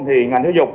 thì ngành giáo dục